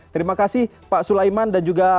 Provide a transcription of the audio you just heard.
terima kasih pak sulaiman dan juga